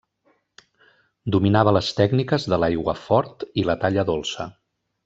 Dominava les tècniques de l'aiguafort i la talla dolça.